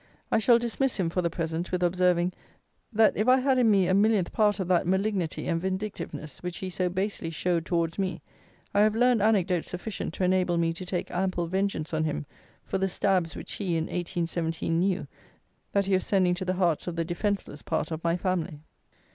I shall dismiss him, for the present, with observing, that, if I had in me a millionth part of that malignity and vindictiveness, which he so basely showed towards me, I have learned anecdotes sufficient to enable me to take ample vengeance on him for the stabs which he, in 1817, knew, that he was sending to the hearts of the defenceless part of my family!